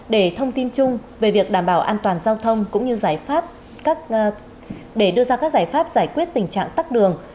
để thông tin chung về việc đảm bảo an toàn giao thông cũng như giải pháp để đưa ra các giải pháp giải quyết tình trạng tắt đường